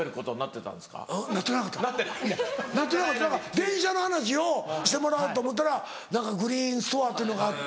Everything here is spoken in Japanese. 電車の話をしてもらおうと思ったら何かグリーンストアっていうのがあって。